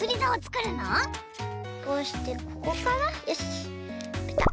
こうしてここからよしぴたっ！